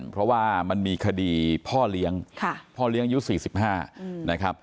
เพราะว่ามันมีคดีพ่อเลี้ยงพ่อเลี้ยงอายุ๔๕นะครับ